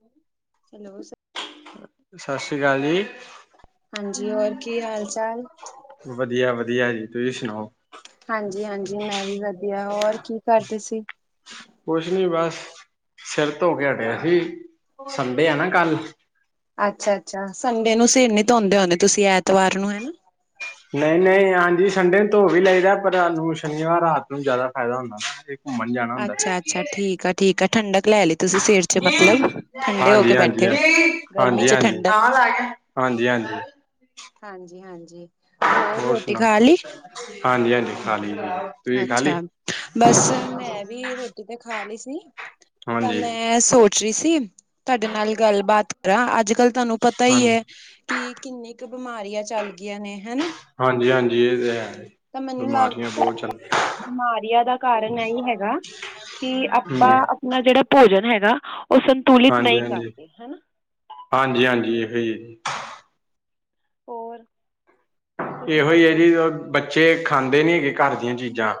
ਹੂ,,, [unintelligible] ਸਤਿ ਸ੍ਰੀ ਅਕਾਲ ਜੀ ਹਾਂਜੀ ਹੋਰ ਕੀ ਹਾਲ ਚਾਲ ਵਧੀਆ ਵਧੀਆ ਜੀ ਤੁਸੀਂ ਸੁਣਾਓ ਹਾਂਜੀ ਹਾਂਜੀ ਮੈਂ ਵੀ ਵਧੀਆ ਹੋਰ ਕੀ ਕਰਦੇ ਸੀ। ਕੁਛ ਨੀ ਬਸ ਸਿਰ ਧੋ ਕੇ ਹਟਿਆ ਸੀ ਸੰਡੇ ਆ ਨਾ ਕੱਲ ਅੱਛਾ ਅੱਛਾ ਸੰਡੇ ਨੂੰ ਸਿਰ ਨੀ ਧੁੰਦੇ ਹਉਂਦੇ ਤੁਸੀਂ ਐਤਵਾਰ ਨੂੰ ਹਨਾ ਨਹੀਂ ਨਹੀਂ ਹਾਂਜੀ ਸੰਡੇ ਨੂੰ ਧੋ ਵੀ ਲਾਦਾ ਪਰ ਸਾਨੂੰ ਸ਼ਨੀਵਾਰ ਰਾਤ ਨੂੰ ਜ਼ਿਆਦਾ ਫਾਇਦਾ ਹੁੰਦਾ। ਘੁੰਮਣ ਜਾਣਾ ਹੁੰਦਾ ਅੱਛਾ ਹਾਂਜੀ ਅੱਛਾ ਠੀਕ ਆ ਠੀਕ ਆ ਠੰਡਕ ਲੈ ਲਈ ਤੁਸੀਂ ਸਿਰ ਚ ਮਤਲਬ ਠੰਡੇ ਹੋ ਕੇ ਹਾਂਜੀ ਹਾਂਜੀ ਬੈਠੇ ਹੋ ਗਰਮੀ ਹਾਂਜੀ ਹਾਂਜੀ ਚ ਠੰਡਕ ਹਾਂਜੀ ਹਾਂਜੀ ਹਾਂਜੀ ਹਾਂਜੀ ਹੋਰ ਰੋਟੀ ਖਾ ਸੁਣਾਓ ਲਈ ਹਾਂਜੀ ਹਾਂਜੀ ਖਾ ਲਈ ਮੈਂ ਅੱਛਾ ਬਸ ਮੈਂ ਵੀ ਰੋਟੀ ਤੇ ਖਾ ਲਈ ਸੀ। ਤਾਂ ਹਾਂਜੀ ਮੈਂ ਸੋਚ ਰਹੀ ਸੀ ਤੁਹਾਡੇ ਨਾਲ ਗੱਲਬਾਤ ਕਰਾਂ ਅੱਜ ਕੱਲ ਤੁਹਾਨੂੰ ਪਤਾ ਹੀ ਹਾਂਜੀ ਹੈ ਕਿ ਕਿੰਨੀ ਕੁ ਬਿਮਾਰੀਆਂ ਚੱਲ ਗਈਆਂ ਨੇ ਹਨਾ। ਹਾਂਜੀ ਹਾਂਜੀ ਇਹ ਤੇ ਹੈ ਤਾਂ ਮੈਨੂੰ ਲੱਗ ਬਿਮਾਰੀਆਂ ਬਹੁਤ ਚੱਲੀ ਪਈਆ। ਬਿਮਾਰੀਆਂ ਦਾ ਕਾਰਨ ਨਹੀਂ ਹੈਗਾ ਕਿ ਹਾਂਜੀ ਆਪਾਂ। ਨਾ ਜਿਹੜਾ ਭੋਜਨ ਹੈਗਾ ਉਹ ਸਾਨੂੰ। ਹਾਂਜੀ ਹਾਂਜੀ ਹਾਂਜੀ ਹਾਂਜੀ ਇਹੋ ਹੀ ਹੈ। ਹੋਰ। ਤੁਸੀਂ ਇਹੋ ਹੀ ਹੈ ਦੱਸੋ ਜੀ ਬੱਚੇ ਖਾਂਦੇ ਨੀ ਹੈਗੇ ਘਰ ਦੀਆਂ ਚੀਜ਼ਾਂ।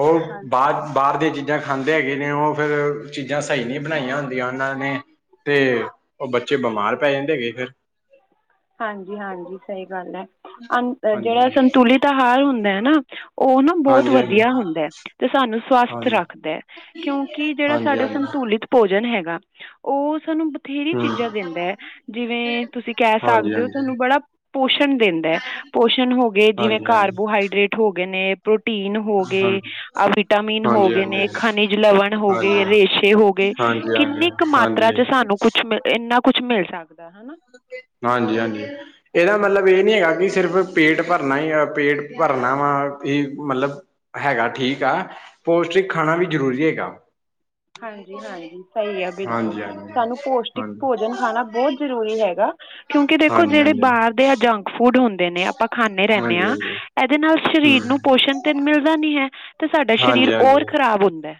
ਉਹ ਹਾਂਜੀ ਬਾਹਰ ਬਾਹਰ ਦੀਆਂ ਚੀਜ਼ਾਂ। ਚੀਜ਼ਾਂ ਖਾਂਦੇ ਹੈਗੇ ਨੇ ਉਹ ਫਿਰ ਚੀਜ਼ਾਂ ਸਹੀ ਨਹੀਂ ਬਣਾਈਆਂ ਹੁੰਦੀਆਂ ਉਹਨਾਂ ਨੇ। ਤੇ ਉਹ ਬੱਚੇ ਬਿਮਾਰ ਪੈ ਜਾਂਦੇ ਹੈਗੇ ਫਿਰ। ਹਾਂਜੀ ਹਾਂਜੀ ਸਹੀ ਗੱਲ ਹੈ ਅ ਜਿਹੜਾ ਹਾਂਜੀ ਸੰਤੁਲਿਤ ਆਹਾਰ ਹੁੰਦਾ ਹੈ ਨਾ। ਉਹ ਨਾ ਬਹੁਤ ਹਾਂਜੀ ਹਾਂਜੀ ਵਧੀਆ ਹੁੰਦਾ ਤੇ ਸਾਨੂੰ ਸਵਸਥ ਹਾਂਜੀ ਰੱਖਦਾ ਹੈ। ਕਿਉਂਕਿ ਜਿਹੜਾ ਹਾਂਜੀ ਸਾਡਾ ਹਾਂਜੀ ਸੰਤੁਲਿਤ। ਭੋਜਨ ਹੈਗਾ ਉਹ ਸਾਨੂੰ ਬਥੇਰੀ ਹੂੰ ਚੀਜ਼ਾਂ ਦਿੰਦਾ ਹੈ ਜਿਵੇਂ ਤੁਸੀਂ ਕਹਿ। ਹਾਂਜੀ ਸਕਦੇ ਹੋ ਹਾਂਜੀ ਸਾਨੂੰ ਬੜਾ ਪੋਸ਼ਣ ਦਿੰਦਾ ਹੈ ਪੋਸ਼ਣ ਹੋ ਗਏ ਜਿਵੇਂ ਹਾਂਜੀ ਕਾਰਬੋਹਾਈਡਰੇਟ। ਹੋ ਗਏ ਨੇ। ਪ੍ਰੋਟੀਨ ਹੋ ਹਾਂਜੀ ਹਾਂ ਗਏ ਆ ਵਿਟਾਮਿਨ ਹੋ ਹਾਂਜੀ ਹਾਂਜੀ ਗਏ ਨੇ ਹਾਂਜੀ ਖਣਿਜ ਲਵਣ ਹੋ ਗਏ ਰੇਸ਼ੇ ਹੋ ਗਏ। ਹਾਂਜੀ ਹਾਂਜੀ ਕਿੰਨੀ ਕੁ ਮਾਤਰਾ ਹਾਂਜੀ ਚ ਸਾਨੂੰ ਕੁਛ ਮ ਇੰਨਾ ਕੁਛ ਮਿਲ ਸਕਦਾ ਹਨਾ। ਹਾਂਜੀ ਹਾਂਜੀ। ਇਹਦਾ ਮਤਲਬ ਇਹ ਨੀ ਹੈਗਾ ਕਿ ਸਿਰਫ਼ ਪੇਟ ਭਰਨਾ ਹੀ ਪੇਟ ਭਰਨਾ ਵਾ ਹੀ ਮਤਲਬ। ਹੈਗਾ ਠੀਕ ਆ ਪੋਸਟਿਕ ਖਾਣਾ ਵੀ ਜ਼ਰੂਰੀ ਹੈਗਾ। ਹਾਂਜੀ ਹਾਂਜੀ ਸਹੀ ਆ ਬਿਲਕੁਲ ਹਾਂਜੀ ਹਾਂਜੀ ਸਾਨੂੰ ਪੋਸ਼ਟਿਕ ਹਾਂਜੀ ਭੋਜਨ। ਖਾਣਾ ਬਹੁਤ ਜਰੂਰੀ ਹੈਗਾ ਕਿਉਂਕਿ ਦੇਖੋ ਹਾਂਜੀ ਜਿਹੜੇ ਹਾਂਜੀ ਹਾਂਜੀ ਬਾਹਰ ਦੇ ਆ ਜੰਕ ਫੂਡ ਹੁੰਦੇ। ਨੇ ਆਪਾਂ ਖਾਂਦੇ ਰਹਿੰਦੇ ਹਾਂਜੀ ਹਾਂ ਹਮ ਇਹਦੇ ਨਾਲ ਸਰੀਰ ਨੂੰ ਪੋਸ਼ਣ ਤੇ ਮਿਲਦਾ ਨੀ ਹੈ। ਤੇ ਸਾਡਾ ਸਰੀਰ ਹਾਂਜੀ ਹਾਂਜੀ ਹੋਰ ਖਰਾਬ ਹੁੰਦਾ।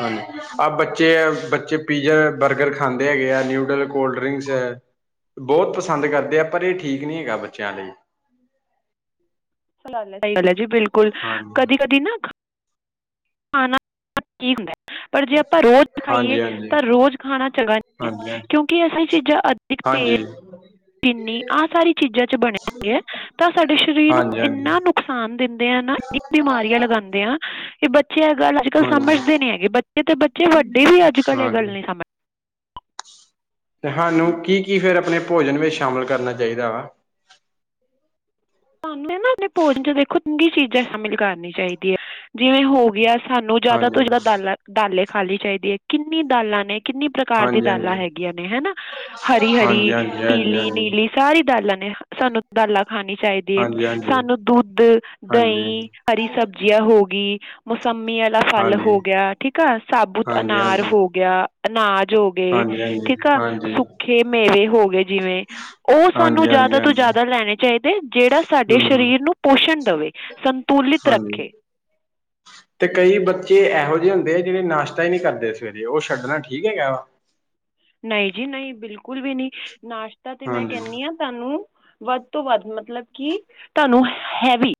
ਹਾਂਜੀ ਆਹ ਬੱਚੇ ਬੱਚੇ ਪੀਜ਼ਾ ਬਰਗਰ ਖਾਂਦੇ ਹੈਗੇ ਆ ਨਿਊਡਲ, ਕੋਲਡ ਡਰਿੰਕਸ। ਬਹੁਤ ਪਸੰਦ ਕਰਦੇ ਆ ਪਰ ਇਹ ਠੀਕ ਨਹੀਂ ਹੈਗਾ ਬੱਚਿਆਂ ਲਈ। ਸਹੀ ਗੱਲ ਜੀ ਬਿਲਕੁਲ ਹਾਂਜੀ ਕਦੀ ਕਦੀ ਨਾ ਖਾਣਾ। ਠੀਕ ਹੁੰਦਾ ਪਰ ਜੇ ਆਪਾਂ ਰੋਜ਼ ਖਾਈਏ ਹਾਂਜੀ ਹਾਂਜੀ ਤਾਂ ਰੋਜ਼ ਖਾਣਾ ਚੰਗਾ ਨਹੀਂ ਹੈ। ਹਾਂਜੀ ਕਿਉਂਕਿ ਅਸੀਂ ਇਹ ਚੀਜ਼ਾਂ ਅਧਿਕ ਤੇਲ। [unintelligible] ਨਹੀਂ ਆਹ ਸਾਰੀ ਚੀਜ਼ਾਂ ਚ ਬਣਿਆ ਹੋਇਆ ਹੈ ਤਾਂ ਸਾਡੇ ਸਰੀਰ ਨੂੰ ਹਾਂਜੀ ਇੰਨਾ। ਨੁਕਸਾਨ ਦਿੰਦੇ ਆ ਨਾ ਬਿਮਾਰੀਆਂ ਲਗਾਂਦੇ ਆ ਇਹ ਬੱਚੇ ਐ ਗੱਲ। ਅੱਜ ਕੱਲ ਹਾਂਜੀ ਸਮਝਦੇ ਨੀ ਹੈਗੇ ਬੱਚੇ ਤੇ ਬੱਚੇ ਵੱਡੇ ਵੀ ਅੱਜ ਕੱਲ੍ਹ ਇਹ ਗੱਲ ਹਾਂਜੀ ਨੀ ਸਮਝ। ਤੇ ਹਨੂ ਕੀ ਕੀ ਫਿਰ ਆਪਣੇ ਭੋਜਨ ਵਿੱਚ ਸ਼ਾਮਿਲ ਕਰਨਾ ਚਾਹੀਦਾ ਵਾ। ਸਾਨੂੰ ਤੇ ਨਾ ਆਪਨੇ ਭੋਜਨ ਚ ਦੇਖੋ ਚੰਗੀ ਚੀਜ਼ਾਂ ਸ਼ਾਮਿਲ ਕਰਨੀ ਚਾਹੀਦੀ ਹੈ ਜਿਵੇਂ ਹੋ ਗਿਆ। ਸਾਨੂੰ ਜ਼ਿਆਦਾ ਹਾਂਜੀ ਤੋਂ ਜਿਆਦਾ ਦਾਲਾਂ ਦਾਲੇ ਖਾਨੀ ਚਾਹੀਦੀ ਹੈ ਕਿੰਨੀ ਦਾਲਾਂ ਨੇ ਕਿੰਨੀ‌। ਪ੍ਰਕਾਰ ਦੀ ਹਾਂਜੀ ਦਾਲਾਂ ਹਾਂਜੀ ਹੈਗੀਆਂ ਨੇ ਹਨਾ ਹਰੀ ਹਾਂਜੀ ਹਰੀ ਹਾਂਜੀ ਪੀਲੀ ਹਾਂਜੀ ਨੀਲੀ। ਸਾਰੀ ਦਾਲਾਂ ਨੇ ਸਾਨੂੰ ਦਾਲਾਂ ਖਾਨੀ ਚਾਹੀਦੀ ਏ ਹਾਂਜੀ ਹਾਂਜੀ ਸਾਨੂੰ ਦੁੱਧ, ਹਾਂਜੀ ਦਹੀਂ। ਹਰੀ ਸਬਜ਼ੀਆਂ ਹੋ ਗਈ। ਮੌਸੰਮੀ ਵਾਲਾ ਫਲ ਹਾਂਜੀ ਹੋ ਗਿਆ ਠੀਕ ਆ ਸਾਬੁਤ ਹਾਂਜੀ ਅਨਾਰ ਹਾਂਜੀ ਹੋ ਗਿਆ, ਅਨਾਜ ਹੋ ਗਿਆ ਗਏ ਹਾਂਜੀ ਹਾਂਜੀ ਹਾਂਜੀ ਠੀਕਾ ਹਾਂਜੀ ਸੁੱਕੇ ਮੇਵੇ ਹੋ ਗਏ ਜਿਵੇਂ ਉਹ ਸਾਨੂੰ ਹਾਂਜੀ ਹਾਂਜੀ ਜ਼ਿਆਦਾ ਤੋਂ ਹਾਂਜੀ ਜ਼ਿਆਦਾ ਲੈਨੇ ਚਾਹੀਦੇ ਜਿਹੜਾ ਸਾਡੇ ਹਮ ਸ਼ਰੀਰ ਨੂੰ ਪੋਸ਼ਨ ਦਵੇ। ਹਾਂਜੀ। [inaudible] ਤੇ ਕਈ ਬੱਚੇ ਇਹੋ ਜਿਹੇ ਹੁੰਦੇ ਆ ਜਿਹੜੇ ਨਾਸ਼ਤਾ ਹੀ ਨਹੀਂ ਕਰਦੇ ਸਵੇਰੇ ਉਹ ਛੱਡਣਾ ਠੀਕ ਹੈਗਾ ਵਾ। ਨਹੀਂ ਜੀ ਨਹੀਂ ਬਿਲਕੁਲ ਵੀ ਨਹੀਂ ਨਾਸ਼ਤਾ ਤੇ ਮੈਂ ਹਾਂਜੀ ਕੈਹਨੀ ਆ ਸਾਨੂੰ ਵੱਧ ਤੋਂ ਵੱਧ ਮਤਲਬ ਕਿ ਤਹਾਨੂੰ ਹੈਵੀ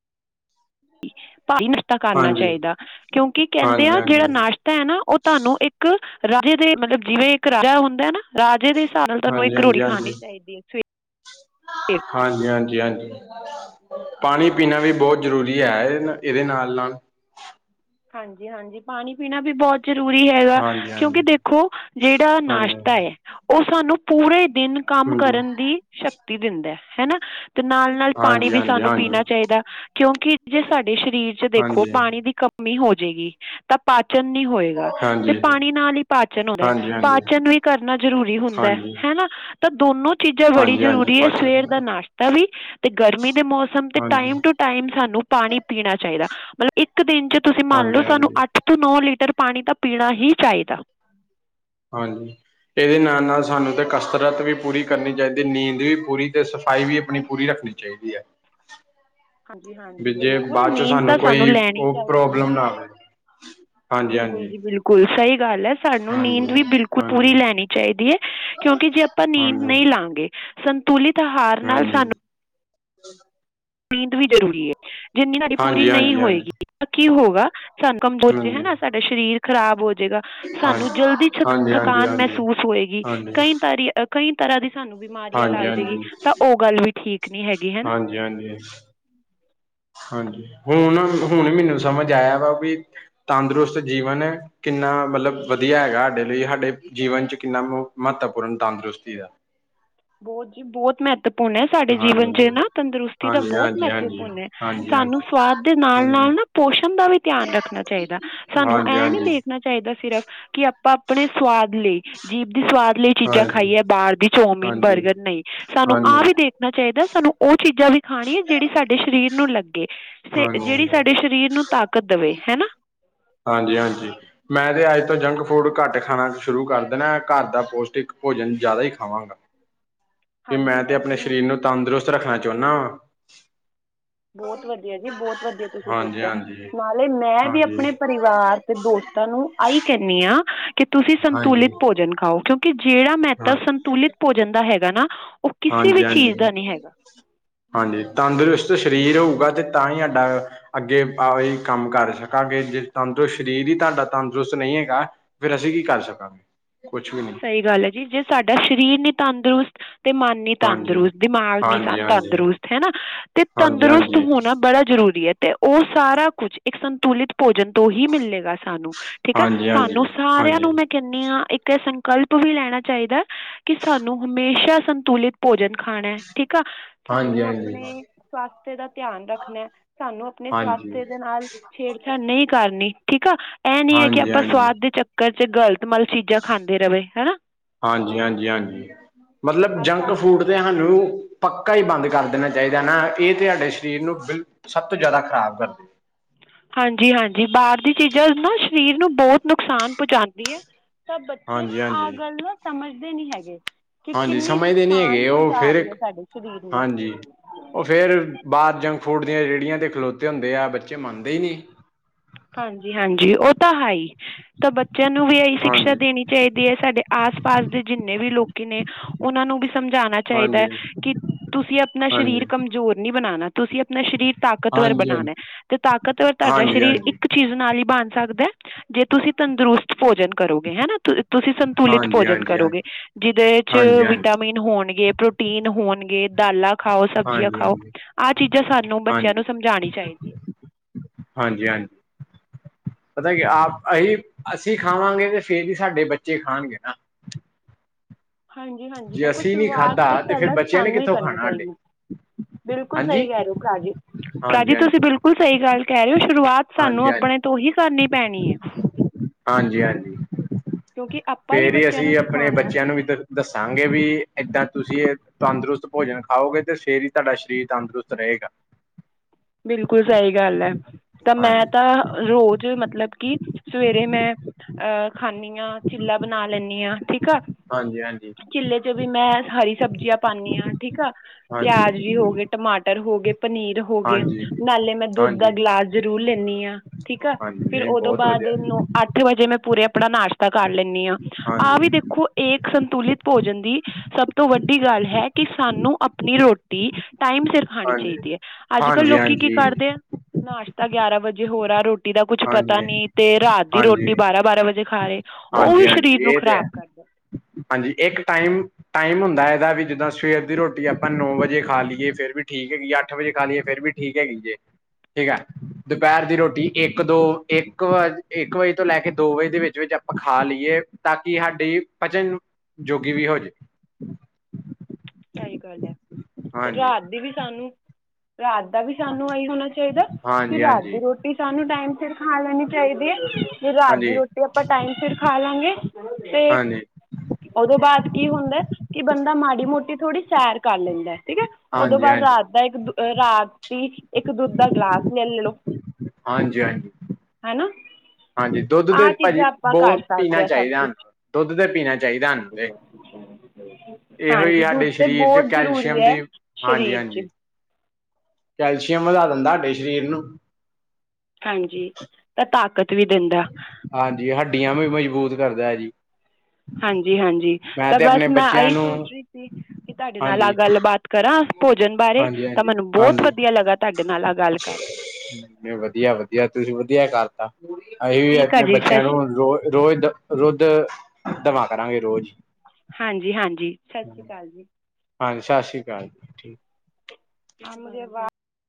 ਭਾਰੀ ਨਸ਼ਤਾ ਕਰਨਾ ਹਾਂਜੀ ਚਾਹੀਦਾ ਕਿਓਂਕਿ ਕਹਿੰਦੇ ਆ ਹਾਂਜੀ ਜਿਹੜਾ ਹਾਂਜੀ ਨਾਸ਼ਤਾ ਤਾਂ ਹੈ ਨਾ ਉਹ ਤੁਹਾਨੂੰ ਇੱਕ ਰਾਜੇ ਦੇ ਮਤਲਬ ਜਿਵੇਂ ਇੱਕ ਰਾਜਾ ਹੁੰਦਾ ਨਾ ਰਾਜੇ ਦੇ ਹਿਸਾਬ ਨਾਲ ਤੁਹਾਨੂੰ ਹਾਂਜੀ ਇੱਕ ਰੋਤਿ ਹਾਂਜੀ ਹਾਂਜੀ ਖਾਨੀ ਚਾਹੀਦੀ ਏ ਹਾਂਜੀ ਹਾਂਜੀ ਹਾਂਜੀ ਪਾਣੀ ਪੀਣਾ ਵੀ ਬਹੁਤ ਜ਼ਰੂਰੀ ਅਐ ਇਹਦੇ ਨਾਲ ਨਾਲ ਹਾਂਜੀ ਹਾਂਜੀ ਪਾਣੀ ਪੀਣਾ ਵੀ ਬਹੋਤ ਜ਼ਰੂਰੀ ਹੈਗਾ ਹਾਂਜੀ ਹਾਂਜੀ ਕਿਉਂਕਿ ਦੇਖੋ ਜਿਹੜਾ ਹਾਂਜੀ ਨਾਸ਼ਤਾ ਏ ਓਹ ਸਾਨੂੰ ਪੂਰੇ ਦਿਨ ਕੰਮ ਕਰਨ ਦੀ ਸ਼ਕਤੀ ਦਿੰਦਾ ਹੈਨਾ ਤੇ ਨਾਲ ਨਾਲ ਪਾਣੀ ਹਾਂਜੀ ਵੀ ਸਾਨੂੰ ਹਾਂਜੀ ਪੀਨਾ ਚਾਹੀਦਾ ਕਿਉਂਕਿ ਜੇ ਸਾਡੇ ਸ਼ਰੀਰ ਚ ਦੇਖੋ ਹਾਂਜੀ ਹਾਂਜੀ ਪਾਣੀ ਦੀ ਕਮੀ ਹੋਜੇਗੀ ਤਾ ਪਾਚਨ ਨੀ ਹੋਏਗਾ ਤੇ ਹਾਂਜੀ ਹਾਂਜੀ ਹਾਂਜੀ ਪਾਣੀ ਨਾਲ ਹੀ ਪਾਚਨ ਹੂਂਦੈ ਹਾਂਜੀ ਪਾਚਨ ਵੀ ਕਰਨਾ ਜ਼ਰੂਰੀ ਹੁੰਦੈ ਹਾਂਜੀ ਹਨਾ ਤਾਂ ਦੋਨੋ ਚੀਜ਼ਾਂ ਬੜੀ ਹਾਂਜੀ ਹਾਂਜੀ ਜ਼ਰੂਰੀ ਏ ਪਾਚਨ ਸਵੇਰ ਦਾ ਪ੍ਰਣਾਲੀ ਨਾਸ਼ਤਾ ਵੀ ਤੇ ਗਰਮੀ ਦੇ ਮੌਸਮ ਤੇ ਹਾਂਜੀ ਟਾਈਮ ਟੂ ਟਾਈਮ ਸਾਨੂੰ ਪਾਣੀ ਪੀਣਾ ਚਾਹੀਦਾ ਮਤਲਬ ਇੱਕ ਦਿਨ ਚ ਤੁਸੀ ਮੰਨ ਹਾਂਜੀ ਲਓ ਸਾਨੂੰ ਹਾਂਜੀ ਅੱਠ ਤ ਨੌ ਲੀਟਰ ਪਾਣੀ ਤਾਂ ਪੀਣਾ ਹੀ ਚਾਹੀਦੈ। ਹਾਂਜੀ ਇਹਦੇ ਨਾਲ ਨਾਲ ਸਾਨੂੰ ਤੇ ਕਸਰਤ ਵੀ ਪੂਰੀ ਕਰਨੀ ਚਾਹੀਦੀ ਨੀਂਦ ਵੀ ਪੂਰੀ ਤੇ ਸਫ਼ਾਈ ਵੀ ਆਪਣੀ ਪੂਰੀ ਰੱਖਣੀ ਚਾਹੀਦੀ ਆ ਹਾਂਜੀ ਹਾਂਜੀ ਵੀ ਜੇ ਬਿਲਕੁਲ ਬਾਅਦ ਚ ਨੀਂਦ ਤਾਂ ਸਾਨੂੰ ਕੋਈ ਲੈਣੀ ਓਹ ਚਾਹੀਦੀ ਹੈ ਪ੍ਰੋਬਲਮ ਨਾ ਆਵੇ ਹਾਂਜੀ ਹਾਂਜੀ ਗੁਲ ਸਹੀ ਗੱਲ ਐ ਸਾਨੂੰ ਨੀਂਦ ਵੀ ਹਾਂਜੀ ਬਿਲਕੁਲ ਪੂਰੀ ਹਾਂਜੀ ਲੈਨੀ ਚਾਹੀਦੀ ਹੈ ਕਿਉਂਕਿ ਜੇ ਆਪਾਂ ਨੀਂਦ ਹਾਂਜੀ ਨਹੀਂ ਲਾਂਗੇ ਸੰਤੁਲਿਤ ਆਹਾਰ ਨਾਲ ਹਾਂਜੀ ਸਾਨੂੰ ਨੀਂਦ ਵੀ ਜ਼ਰੂਰੀ ਏ ਜਿੰਨੀ ਸਾਡੀ ਪੂਰੀ ਹਾਂਜੀ ਨਹੀਂ ਹਾਂਜੀ ਹੋਏਗੀ ਕੀ ਹੋਊਗਾ ਸਾਨੂੰ ਕੰਬੋਜ ਹਾਂਜੀ ਹੈਨਾ ਸਾਡਾ ਸ਼ਰੀਰ ਖਰਾਬ ਹੋਜਏਗਾ। ਸਾਨੂੰ ਹਾਂਜੀ ਜਲਦੀ ਛ ਹਾਂਜੀ ਹਾਂਜੀ ਹਾਂਜੀ ਥਕਾਨ ਹਾਂਜੀ ਮਹਿਸੂਸ ਹੋਏਗੀ ਹਾਂਜੀ ਕਈ ਤਾਰੀ ਕਈ ਤਰ੍ਹਾਂ ਦੀ ਸਾਨੂੰ ਬਿਮਾਰੀਆਂ ਹਾਂਜੀ ਹਾਂਜੀ ਲੱਗ ਜੇਗੀ ਤਾਂ ਉਹ ਗੱਲ ਵੀ ਠੀਕ ਨੀ ਹੈਗੀ। ਹੈ ਨਾ ਹਾਂਜੀ ਹਾਂਜੀ ਹਾਂਜੀ ਹੁਨ ਹੁਨ ਮੈਨੂੰ ਸਮਝ ਆਇਆ ਵਾ ਵੀ ਤੰਦਰੁਸਤ ਜੀਵਨ ਕਿੰਨਾ ਮਤਲਬ ਵਧੀਆ ਹੈਗਾ ਹਾਡੇ ਲਈ ਸਾਡੇ ਜੀਵਨ ਚ ਕਿੰਨਾ ਮਹੱਤਵਪੂਰਨ ਤੰਦਰੁਸਤੀ ਦਾ ਬਹੋਤ ਜੀ ਬਹੋਤ ਮਹਿ ਮਹੱਤਵਪੂਰਨ ਹੈ, ਸਾਡੇ ਜੀਵਨ ਹਾਂਜੀ ਚ ਨਾ ਤੰਦਰੁਸਤੀ ਦਾ ਹਾਂਜੀ ਬਹੁਤ ਹਾਂਜੀ ਹਾਂਜੀ ਮਹੱਤਵਪੂਰਨ ਹੈ, ਹਾਂਜੀ ਹਾਂਜੀ ਸਾਨੂੰ ਸਵਾਦ ਦੇ ਨਾਲ ਨਾਲ ਹਾਂਜੀ ਨਾ ਪੋਸ਼ਣ ਦਾ ਵੀ ਧਿਆਨ ਰੱਖਣਾ ਚਾਹੀਦਾ, ਸਾਨੂੰ ਹਾਂਜੀ ਇਹ ਨੀ ਹਾਂਜੀ ਦੇਖਣਾ ਚਾਹੀਦਾ, ਸਿਰਫ ਕਿ ਆਪਾ ਆਪਣੇ ਸਵਾਦ ਲਈ ਜੀਭ ਦੀ ਸਵਾਦ ਲਈ ਚੀਜ਼ਾਂ ਹਾਂਜੀ ਖਾਈਏ ਬਾਹਰ ਦੀ ਚੌਮਮੀਨ ਹਾਂਜੀ ਬਰਗਰ ਨਹੀਂ ਸਾਨੂੰ ਆਹ ਹਾਂਜੀ ਵੀ ਦੇਖ ਚਾਹੀਦਾ ਸਾਨੂੰ ਉਹ ਚੀਜ਼ਾਂ ਵੀ ਖਾਣੀ ਆ, ਜਿਹੜੀ ਸਾਡੇ ਸ਼ਰੀਰ ਨੂੰ ਲੱਗੇ ਸ ਹਾਂਜੀ ਜਿਹੜੀ ਹਾਂਜੀ ਸਾਡੇ ਸਰੀਰ ਨੂੰ ਤਾਕਤ ਦਵੇ ਹੈ ਨਾ। ਹਾਂਜੀ ਹਾਂਜੀ ਮੈਂ ਤੇ ਅੱਜ ਤੋਂ ਜੰਕ ਫੂਡ ਘੱਟ ਖਾਣਾ ਸ਼ੁਰੂ ਕਰ ਦੇਣਾ ਘਰ ਦਾ ਪੌਸ਼ਟਿਕ ਭੋਜਨ ਜ਼ਿਆਦਾ ਹੀ ਖਾਵਾਂਗਾ [unintelligible] ਕਿ ਮੈਂ ਤੇ ਆਪਣੇ ਹਾਂਜੀ ਸ਼ਰੀਰ ਨੂੰ ਤੰਦਰੁਸਤ ਰੱਖਣਾ ਚਾਉਂਨਾ ਵਾਂ। ਬਹੁਤ ਵਧੀਆ ਜੀ ਬਹੁਤ ਵਧੀਆ ਤੁਸੀਂ ਹਾਂਜੀ ਸੋਚਿਆ, ਹਾਂਜੀ ਨਾਲੇ ਮੈਂ ਵੀ ਹਾਂਜੀ ਆਪਣੇ ਪਰਿਵਾਰ ਪਰਿਵਾਰ ਤੇ ਦੋਸਤਾਂ ਨੂੰ ਆਹੀ ਕਹਿਨੀ ਆ, ਕਿ ਤੁਸੀਂ ਹਾਂਜੀ ਸੰਤੁਲਿਤ ਭੋਜਨ ਖਾਓ ਕਿਉਂ ਕਿ ਜਿਹੜਾ ਹਾਂ ਮਹੱਤਵ ਸੰਤੁਲਿਤ ਭੋਜਨ ਦਾ ਹੈਗਾ ਨਾ, ਉਹ ਕਿਸੇ ਵੀ ਹਾਂਜੀ ਚੀਜ਼ ਹਾਂਜੀ ਦਾ ਨਹੀਂ ਹੈਗਾ। ਹਾਂਜੀ ਤੰਦਰੁਸਤ ਸਰੀਰ ਹੋਊਗਾ, ਤੇ ਤਾਂ ਹੀ ਆਡਾ ਅੱਗੇ ਆ ਹੀ ਕੰਮ ਕਰ ਸਕਾਂਗੇ, ਜੇ ਤੰਦਰੁਸਤ ਸਰੀਰ ਹੀ ਤੁਹਾਡਾ ਤੰਦਰੁਸਤ ਨਹੀਂ ਹੈਗਾ। ਫਿਰ ਅਸੀਂ ਕੀ ਕਰ ਸਕਾਂਗੇ, ਕੁਛ ਵੀ ਨਹੀਂ। ਸਹੀ ਗੱਲ ਹੈ ਜੀ, ਜੇ ਸਾਡਾ ਸ਼ਰੀਰ ਨੀ ਤੰਦਰੁਸਤ ਤੇ ਮਨ ਨੀ ਹਾਂਜੀ ਤੰਦਰੁਸਤ ਦਿਮਾਗ ਨੀ ਸਾ ਹਾਂਜੀ ਹਾਂਜੀ ਹਾਂਜੀ ਤੰਦਰੁਸਤ ਹੈਨਾ, ਤੇ ਤੰਦਰੁਸਤ ਹਾਂਜੀ ਹੋਣਾ ਬੜਾ ਜ਼ਰੂਰੀ ਹੈ ਤੇ ਉਹ ਸਾਰਾ ਕੁਛ ਇੱਕ ਸੰਤੁਲਿਤ ਭੋਜਨ ਤੋਂ ਹੀ ਮਿਲੇਗਾ ਸਾਨੂੰ। ਠੀਕ ਆ ਹਾਂਜੀ ਹਾਂਜੀ ਸਾਨੂੰ ਸਾਰਿਆਂ ਹਾਂਜੀ ਨੂੰ ਮੈਂ ਕਹਿਨੀ ਆ ਇੱਕ ਕਲਪ ਵੀ ਲੈਣਾ ਚਾਹੀਦਾ, ਕਿ ਸਾਨੂੰ ਹਮੇਸ਼ਾ ਸੰਤੁਲਿਤ ਭੋਜਨ ਖਾਣਾ ਹੈ ਠੀਕ ਆ। ਸਾਨੂੰ ਹਾਂਜੀ-ਹਾਂਜੀ। ਆਪਣੇ ਸਵਾਸਥ ਦਾ ਧਿਆਨ ਰੱਖਣਾ, ਸਾਨੂੰ ਆਪਣੇ ਹਾਂਜੀ, ਸਵਾਸਥ ਦੇ ਨਾਲ ਛੇੜਛਾੜ ਨਹੀਂ ਕਰਨੀ ਠੀਕ ਆ, ਇਹ ਨੀ ਹੈ ਕਿ, ਹਾਂਜੀ, ਹਾਂਜੀ, ਆਪਾਂ ਸਵਾਦ ਦੇ ਚੱਕਰ ਚ ਗ਼ਲਤ ਮਲਤ ਚੀਜ਼ਾਂ ਖਾਂਦੇ ਰਵੇ ਹੈ ਨਾ ਹਾਂਜੀ-ਹਾਂਜੀ-ਹਾਂਜੀ ਮਤਲਬ ਆਸਾ ਜੰਕ ਫੂਡ। ਸਾਨੂੰ ਪੱਕਾ ਹੀ ਬੰਦ ਕਰ ਦੇਣਾ ਚਾਹੀਦਾ ਨਾ, ਇਹ ਤੁਹਾਡੇ ਸਰੀਰ ਨੂੰ ਬਿਲਕੁਲ ਸਭ ਤੋਂ ਜ਼ਿਆਦਾ ਖ਼ਰਾਬ ਕਰਦੇ। ਹਾਂਜੀ-ਹਾਂਜੀ, ਬਾਹਰ ਦੀ ਚੀਜ਼ਾਂ ਨਾ ਸਰੀਰ ਨੂੰ ਬਹੁਤ ਨੁਕਸਾਨ ਪਹੁੰਚਾਉਂਦੀ ਹੈ। ਤਾਂ ਬੱਚੇ ਹਾਂਜੀ-ਹਾਂਜੀ, ਆਹ ਹਾਂਜੀ ਗੱਲ ਨੂੰ ਸਮਝਦੇ ਨੀ ਹੈਗੇ। ਕਿ ਹਾਂਜੀ ਕਿੰਨੀ ਸਮਝਦੇ ਨੀ ਨੁਕਸਾਨ ਹੈਗੇ ਕੁਝ ਓ ਆ ਰਹੀ ਫੇਰ ਹੈ, ਸਾਡੇ ਸਰੀਰ ਨੂੰ। ਬਾਹਰ ਜੰਕ ਫੂਡ ਦੀਆਂ ਰੇਹੜੀਆਂ ਤਾਂ ਖਲੋਤੇ ਹੁੰਦੇ ਆ, ਬੱਚੇ ਮੰਨਦੇ ਹੀ ਨਹੀਂ। ਹਾਂਜੀ, ਹਾਂਜੀ, ਉਹ ਤਾਂ ਹੈ ਹੀ, ਤਾਂ ਬੱਚਿਆਂ ਨੂੰ ਵੀ ਇਹੀ ਸ਼ਿਕਸ਼ਾ ਹਾਂਜੀ, ਦੇਣੀ। ਚਾਹੀਦੀ ਹੈ ਸਾਡੇ ਆਸ ਪਾਸ ਦੇ, ਜਿੰਨੇ ਵੀ ਲੋਕੀ ਨੇ ਉਹਨਾਂ ਨੂੰ ਵੀ ਸਮਝਾਣਾ ਚਾਹੀਦਾ ਹੈ ਹਾਂਜੀ, ਕਿ, ਤੁਸੀਂ ਆਪਣਾ ਹਾਂਜੀ, ਸਰੀਰ ਕਮਜ਼ੋਰ ਨਹੀਂ ਬਣਾਉਣਾ ਤੁਸੀਂ ਆਪਣਾ ਸਰੀਰ ਤਾਕ ਤਾਕਤਵਰ ਬਣਾਉਣਾ ਹਾਂਜੀ-ਹਾਂਜੀ, ਹੈ, ਤੇ ਤਾਕਤਵਰ ਤੁਹਾਡਾ ਸਰੀਰ ਹਾਂਜੀ-ਹਾਂਜੀ। ਹਾਂਜੀ-ਹਾਂਜੀ, ਇੱਕ ਚੀਜ਼ ਨਾਲ ਹੀ ਬਣ ਸਕਦਾ ਹੈ, ਜੇ ਤੁਸੀਂ ਤੰਦਰੁਸਤ ਭੋਜਨ ਕਰੋਗੇ ਹਨਾ। ਤੁਸੀਂ ਸੰਤੁਲਿਤ ਭੋਜਨ ਹਾਂਜੀ, ਹਾਂਜੀ-ਹਾਂਜੀ, ਕਰੋਗੇ, ਜਿਹਦੇ ਚ ਹਾਂਜੀ-ਹਾਂਜੀ, ਵਿਟਾਮਿਨ ਹੋਣਗੇ ਪ੍ਰੋ ਟੀਨ ਹੋਣਗੇ ਦਾਲਾ ਖਾਓ ਸਬਜ਼ੀਆਂ ਖਾਓ, ਹਾਂਜੀ, ਆਹ ਚੀਜ਼ਾਂ ਸਾਨੂੰ ਬੱਚਿਆਂ ਨੂੰ ਸਮਝਾਉਣੀ ਚਾਹੀਦੀ ਹੈ। ਹਾਂਜੀ-ਹਾਂਜੀ। ਪਤਾ ਕੀ ਆਪ ਅਸੀਂ-ਅਸੀਂ ਖਾਵਾਂਗੇ, ਤੇ ਫੇਰ ਹੀ ਸਾਡੇ ਬੱਚੇ ਖਾਣਗੇ ਨਾ। ਹਾਂਜੀ, ਹਾਂਜੀ, ਜੇ ਦੇਖੋ ਅਸੀਂ ਨੀ ਸ਼ੁਰੂਆਤ ਖਾਧਾ ਤੇ ਫੇਰ ਪਹਿਲਾਂ ਬੱਚਿਆਂ ਨੇ ਸਾਨੂੰ ਹੀ ਕਿੱਥੋਂ ਕਰਨੀ ਖਾਣਾ ਹਾਡੇ ਪਏਗੀ। ਬਿਲਕੁਲ ਸਹੀ ਹਾਂਜੀ, ਕਹਿ ਰਹੇ ਹੋ, ਭਰਾ ਜੀ ਭਰਾ ਜੀ ਤੁਸੀਂ ਹਾਂਜੀ-ਹਾਂਜੀ। ਬਿਲਕੁਲ ਕੁ ਸਹੀ ਗੱਲ ਕਹਿ ਰਹੇ ਹੋ, ਸ਼ੁਰੂਆਤ ਸਾਨੂੰ ਹਾਂਜੀ-ਹਾਂਜੀ, ਆਪਣੇ ਤੋਂ ਹੀ ਕਰਨੀ ਪੈਣੀ ਹੈ। ਹਾਂਜੀ-ਹਾਂਜੀ। ਕਿਉਂਕਿ ਆਪਾਂ ਫੇਰ ਹੀ ਬੱਚਿਆਂ ਨੂੰ ਅਸੀਂ ਆਪਣੇ ਸਿਖਾਉਣਾ ਹੈ। ਬੱਚਿਆਂ ਨੂੰ ਵੀ ਦ ਦੱਸਾਂਗੇ, ਵੀ ਏਦਾਂ ਤੁਸੀਂ ਤੰਦਰੁਸਤ ਭੋਜਨ ਖਾਓਗੇ, ਤੇ ਫੇਰ ਹੀ ਤੁਹਾਡਾ ਸਰੀਰ ਤੰਦਰੁਸਤ ਰਹੇਗਾ। [unintelligible] ਬਿਲਕੁਲ ਸਹੀ ਗੱਲ ਹੈ, ਤਾਂ ਮੈਂ ਹਾਂਜੀ। ਤਾਂ ਰੋਜ਼ ਮਤਲਬ ਕਿ ਸਵੇਰੇ ਮੈਂ ਅਹ ਖਾਂਦੀ ਹਾਂ, ਚਿੱਲਾ ਬਣਾ ਲੈਂਦੀ ਹਾਂ ਠੀਕ ਆ। ਹਾਂਜੀ, ਹਾਂਜੀ। ਚਿਲੇ ਚ ਵੀ ਮੈਂ ਹਰੀ ਸਬਜ਼ੀਆਂ ਪਾਨੀ ਆ ਠੀਕ ਆ, ਹਾਂਜੀ, ਪਿਆਜ ਵੀ ਹੋ ਗਏ। ਟਮਾਟਰ ਹੋ ਗਏ ਪਨੀਰ ਹੋ ਗਏ ਹਾਂਜੀ। ਹਾਂਜੀ। ਨਾਲੇ ਮੈਂ, ਦੁੱਧ ਦਾ ਹਾਂਜੀ ਗਿਲਾਸ ਜ਼ਰੂਰ ਲੈਂਣੀ ਹਾਂ, ਠੀਕ ਆ, ਹਾਂਜੀ ਫਿਰ ਨਹੀਂ ਉਹਦੋਂ ਬਹੁਤ ਬਾਅਦ ਵਧੀਆ ਨ ਅੱਠ ਵਜੇ, ਮੈਂ ਪੂਰੇ ਆਪਣਾ ਨਾਸ਼ਤਾ ਕਰ ਲੈਂਣੀ ਆ। ਆਹ ਹਾਂਜੀ, ਵੀ ਦੇਖੋ, ਏਕ ਸੰਤੁਲਿਤ ਭੋਜਨ ਦੀ ਸਭ ਤੋਂ ਵੱਡੀ ਗੱਲ ਹੈ, ਕਿ ਸਾਨੂੰ ਆਪਣੀ ਰੋਟੀ ਟਾਈਮ ਸਿਰ ਖਾਣੀ ਹਾਂਜੀ। ਚਾਹੀਦੀ ਹੈ। ਅੱਜ ਕੱਲ੍ਹ ਹਾਂਜੀ-ਹਾਂਜੀ, ਲੋਕੀ ਕੀ ਕਰਦੇ ਆ, ਨਾਸ਼ਤਾ ਗਿਆਰਾਂ ਵਜੇ ਹੋਰ ਆ ਰਿਹਾ ਰੋ ਏ ਦਾ ਕੁਛ ਪਤਾ ਹਾਂਜੀ, ਨਈ, ਤੇ ਰਾਤ ਦੀ ਹਾਂਜੀ, ਰੋਟੀ ਬਾਰਾਂ ਬਾਰਾਂ ਵਜੇ ਖਾ, ਲਈ ਉਹ ਵੀ ਸਰੀਰ ਹਾਂਜੀ-ਹਾਂਜੀ ਨੂੰ ਇਹ ਤੇ ਖ਼ਰਾਬ ਹੈ। ਕਰਦਾ ਹਾਂਜੀ, ਇੱਕ ਟਾਈਮ ਟਾਈਮ ਹੁੰਦਾ, ਇਹਦਾ ਵੀ ਜਿੱਦਾਂ ਸਵੇਰ ਦੀ ਰੋਟੀ ਆਪਾਂ ਨੌ ਵਜੇ ਖਾ ਲਈਏ, ਫੇਿਰ ਵੀ ਠੀਕ ਹੈਗੀ ਅੱਠ ਵਜੇ ਖਾ ਲਈਏ, ਫਿਰ ਵੀ ਠੀਕ ਹੈਗੀ ਜੇ, ਠੀਕ ਹੈ ਦੁਪਹਿਰ ਦੀ, ਰੋਟੀ ਇੱਕ ਦੋ ਇੱਕ ਵਜੇ ਤੋਂ ਲੈ ਕੇ ਦੋ ਵਜੇ ਦੇ ਵਿੱਚ--ਵਿੱਚ ਆਪਾਂ ਖਾ ਲਈਏ, ਤਾਂ ਕਿ ਸਾਡੀ ਪਚਨ ਜੋਗੀ, ਵੀ ਹੋ ਜਾਵੇ। ਸਹੀ ਗੱਲ ਹੈ, ਤੇ ਹਾਂਜੀ ਰਾਤ ਦੀ ਵੀ ਸਾਨੂੰ ਰਾਤ ਦਾ ਵੀ, ਸਾਨੂੰ ਇਹੀ ਹੋਣਾ ਚਾਹੀਦਾ ਕਿ, ਹਾਂਜੀ ਰਾਤ ਦੀ ਹਾਂਜੀ ਰੋਟੀ ਕਿ ਸਾਨੂੰ, ਟਾਈਮ ਸਿਰ ਖਾ ਲੈਣੀ ਚਾਹੀਦੀ ਏ। ਜੇ ਰਾਤ ਦੀ ਹਾਂਜੀ ਰੋਟੀ, ਆਪਾਂ ਟਾਈਮ ਫਿਰ ਖਾ, ਲਾਂਗੇ ਤੇ ਹਾਂਜੀ ਹਾਂਜੀ ਉਹਦੋਂ ਬਾਅਦ ਕੀ ਹੁੰਦਾ, ਕਿ ਬੰਦਾ, ਮਾੜੀ ਮੋਟੀ ਥੋੜ੍ਹੀ ਸੈਰ ਕਰ, ਲੈਂਦਾ ਠੀਕ ਹੈ, ਉਦੋਂ ਹਾਂਜੀ ਬਾਅਦ ਰਾਤ ਨੂੰ ਇੱਕ ਦੁੱਧ ਦਾ ਗਿਲਾਸ ਲੈ ਲਓ ਹਾਂਜੀ ਹਾਂਜੀ,। ਹੈ ਨਾ ਹਾਂਜੀ, ਦੁੱਧ ਤੇ ਆਹ ਭਾਜੀ ਚੀਜ਼ਾਂ ਆਪਾਂ ਕਰ ਬਹੁਤ ਸਕਦੇ ਪੀਣਾ ਹਾਂ ਸਭ ਚਾਹੀਦਾ, ਕੁਛ ਦੁੱਧ ਤੇ ਪੀਣਾ ਚਾਹੀਦਾ ਅੱਛਾ [inaudible] ਇਹੋ ਹੀ, ਸਾਡੇ ਸਰੀਰ ਚ ਕੈਲਸ਼ੀਅਮ ਹੈ ਦੀ ਹਾਂਜੀ ਸਰੀਰ ਹਾਂਜੀ 'ਚ ਕੈਲਸ਼ੀਅਮ ਵਧਾ ਦਿੰਦਾ, ਸਾਡੇ ਸਰੀਰ ਨੂੰ। ਹਾਂਜੀ, ਤਾਂ ਤਾਕਤ ਵੀ ਦਿੰਦਾ ਹਾਂਜੀ, ਹੱਡੀਆਂ ਵੀ ਮਜ਼ਬੂਤ, ਕਰਦਾ ਹੈ ਜੀ ਹਾਂਜੀ ਹਾਂਜੀ ਮੈਂ ਤਾਂ ਤੇ ਬਸ ਆਪਣੇ ਮੈਂ ਬੱਚਿਆਂ ਇਹੀ ਨੂੰ ਸੋਚ ਰਹੀ ਸੀ, ਕਿ ਤੁਹਾਡੇ ਨਾਲ ਆਹ, ਹਾਂਜੀ ਗੱਲਬਾਤ ਕਰਾਂ ਭੋਜਨ ਬਾਰੇ, ਹਾਂਜੀ ਤਾਂ ਹਾਂਜੀ ਮੈਨੂੰ ਬਹੁਤ ਹਾਂਜੀ ਵਧੀਆ ਲੱਗਾ ਤੁਹਾਡੇ ਨਾਲ ਆ ਗੱਲ, ਕਰਕੇ ਨਹੀਂ, ਵਧੀਆ ਵਧੀਆ ਤੁਸੀਂ ਵਧੀਆ ਕਰਤਾ, ਅਸੀਂ ਵੀ ਠੀਕ ਆ ਆਪਣੇ ਜੀ ਸਤਿ ਬੱਚਿਆਂ ਸ਼੍ਰੀ ਨੂੰ, ਅਕਾਲ ਰੋ ਰੋਜ਼ ਦੁਧ, ਦਵਾਾਂ ਕਰਾਂਗੇ ਰੋਜ਼ ਹਾਂਜੀ ਹਾਂਜੀ ਸਤਿ ਸ਼੍ਰੀ ਅਕਾਲ ਜੀ। ਹਾਂਜੀ, ਸਤਿ ਸ਼੍ਰੀ ਅਕਾਲ ਅੰਬ ਦੇ ਬਾਗ